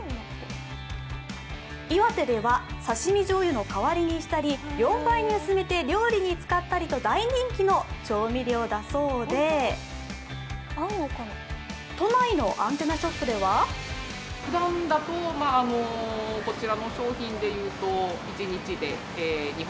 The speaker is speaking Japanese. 岩手では刺身じょうゆの代わりにしたり４倍に薄めて料理に使ったりと大人気の調味料だそうで、都内のアンテナショップではと売り切れ。